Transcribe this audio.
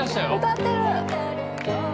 歌ってる。